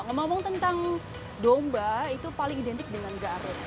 ngomong tentang domba itu paling identik dengan garut